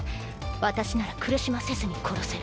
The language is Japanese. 私なら苦しませずに殺せる。